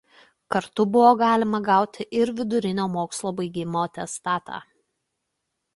Kartu buvo galima gauti ir vidurinio mokslo baigimo atestatą.